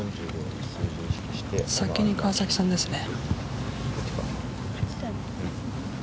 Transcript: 先に川崎さんですね。